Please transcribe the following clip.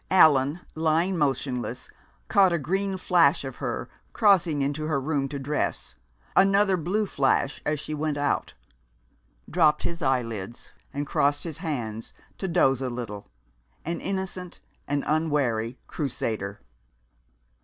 Allan, lying motionless, caught a green flash of her, crossing into her room to dress, another blue flash as she went out; dropped his eyelids and crossed his hands to doze a little, an innocent and unwary Crusader.